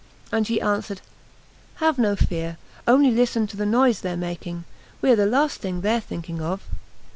She answered: "Have no fear; only listen to the noise they're making; we are the last thing they're thinking of."